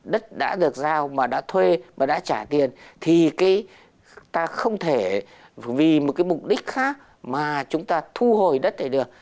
đất đã được giao mà đã thuê và đã trả tiền thì ta không thể vì một cái mục đích khác mà chúng ta thu hồi đất này được